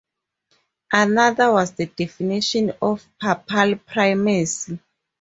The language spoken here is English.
Another was the definition of papal primacy.